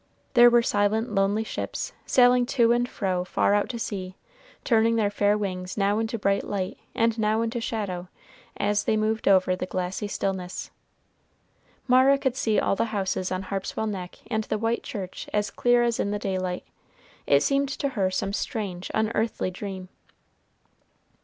There were silent lonely ships, sailing slowly to and fro far out to sea, turning their fair wings now into bright light and now into shadow, as they moved over the glassy stillness. Mara could see all the houses on Harpswell Neck and the white church as clear as in the daylight. It seemed to her some strange, unearthly dream.